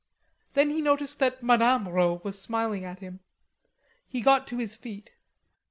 Then he noticed that Mme. Rod was smiling at him. He got to his feet.